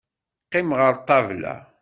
Qqim ɣer ṭṭabla.